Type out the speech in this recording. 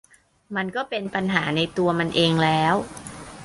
มันก็เป็นปัญหาในตัวมันเองแล้ว